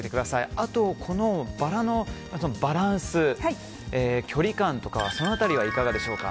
あと、このバラのバランス距離感とかその辺りはいかがでしょうか。